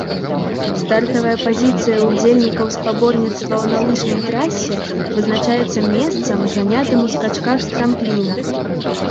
Стартавая пазіцыя ўдзельнікаў спаборніцтваў на лыжнай трасе вызначаецца месцам, занятым у скачках з трампліна.